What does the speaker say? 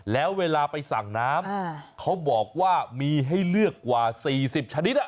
แล้วเวลาไปสั่งน้ำเขาบอกว่ามีให้เลือกกว่า๔๐ชนิด